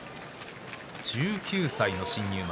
１９歳の新入幕。